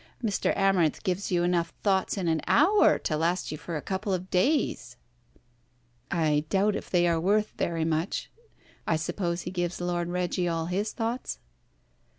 Mr. Amarinth gives you enough thoughts in an hour to last you for a couple of days." "I doubt if they are worth very much. I suppose he gives Lord Reggie all his thoughts?"